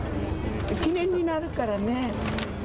記念になるからね。